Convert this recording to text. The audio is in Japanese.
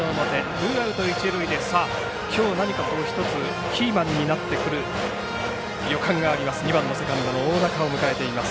ツーアウト一塁できょう１つ何かキーマンになってくる予感があります